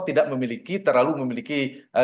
tidak memiliki terlalu memiliki